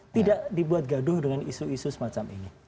tidak dibuat gaduh dengan isu isu semacam ini